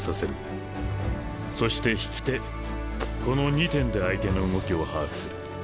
そして引き手この２点で相手の動きを把握する。